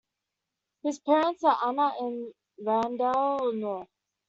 His parents are Anna and Randall North.